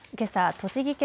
栃木県